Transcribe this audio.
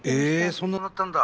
えそんななったんだ。